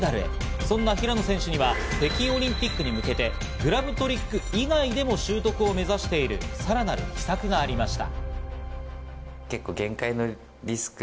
そんな平野選手には北京オリンピックに向けてグラブトリック以外でも習得を目指しているさらなる秘策がありました。